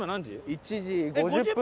１時５０分。